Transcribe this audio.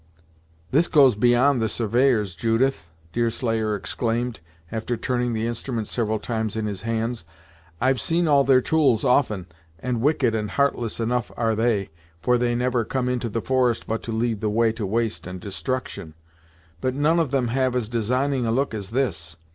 "This goes beyond the surveyors, Judith!" Deerslayer exclaimed, after turning the instrument several times in his hands. "I've seen all their tools often, and wicked and heartless enough are they, for they never come into the forest but to lead the way to waste and destruction; but none of them have as designing a look as this!